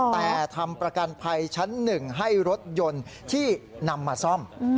แต่ทำประกันภัยชั้น๑ให้รถยนต์ที่นำมาซ่อม